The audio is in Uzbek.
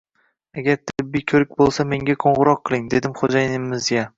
Agar tibbiy ko'rik bo'lsa, menga qo'ng'iroq qiling, dedim xo'jayinimizga